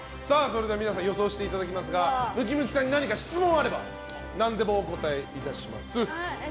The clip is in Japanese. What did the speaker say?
皆さん、予想していただきますがムキムキさんに何か質問があれば何でもお答えいたします。